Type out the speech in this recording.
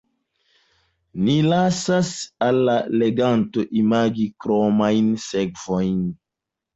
Ni lasas al la leganto imagi kromajn sekvojn.